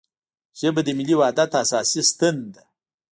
ژبه د ملي وحدت اساسي ستن ده